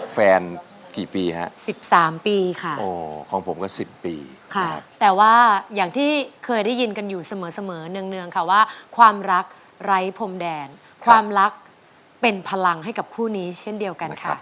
ไฟพรมแดนความรักเป็นพลังให้กับคู่นี้เช่นเดียวกันค่ะ